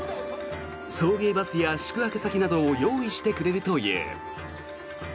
送迎バスや宿泊先などを用意してくれるという。